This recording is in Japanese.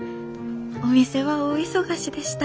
お店は大忙しでした。